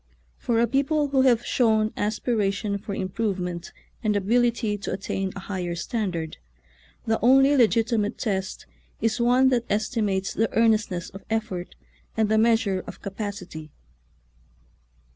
For a people who have shown aspiration for improvement and ability to attain a higher standard, the only legiti mate test is one that estimates the earnest ness of effort and the measure of capacity.